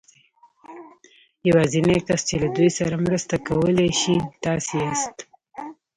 يوازېنی کس چې له دوی سره مرسته کولای شي تاسې ياست.